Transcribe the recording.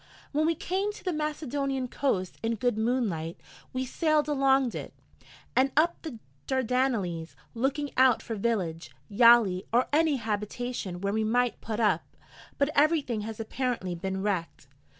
When we came to the Macedonian coast in good moonlight, we sailed along it, and up the Dardanelles, looking out for village, yali, or any habitation where we might put up: but everything has apparently been wrecked.